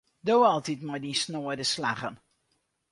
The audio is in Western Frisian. Do altyd mei dyn snoade slaggen.